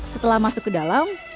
setelah masuk ke dalam saya berpikir